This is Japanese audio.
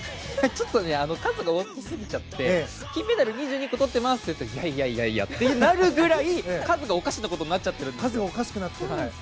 ちょっと数が多すぎちゃって金メダル２２個とってますって言われるといやいやってなるぐらい数がおかしなことになっちゃってるんです。